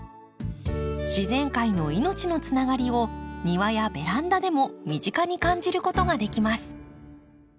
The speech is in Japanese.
自然界の命のつながりを庭やベランダでも身近に感じることができます。